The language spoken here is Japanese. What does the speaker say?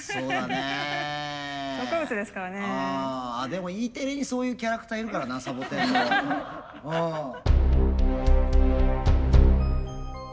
でもＥテレにそういうキャラクターいるからなサボテンのうん。